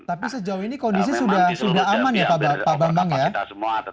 tapi sejauh ini kondisi sudah aman ya pak bambang ya